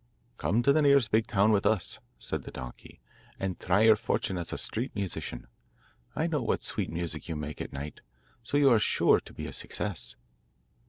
'Come to the nearest big town with us,' said the donkey, 'and try your fortune as a street musician. I know what sweet music you make at night, so you are sure to be a success.